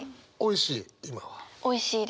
おいしい？